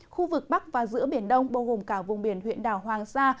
khu vực bắc và giữa biển đông bao gồm cả vùng biển huyện đảo hoàng sa